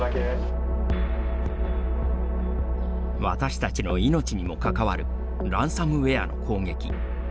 私たちの命にも関わるランサムウエアの攻撃。